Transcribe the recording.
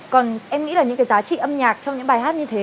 còn em nghĩ là những cái giá trị âm nhạc trong những bài hát như thế